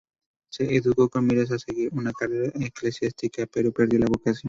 Se educó con miras a seguir una carrera eclesiástica, pero perdió la vocación.